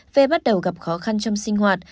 về bắt đầu gặp khó khăn trong sinh hoạt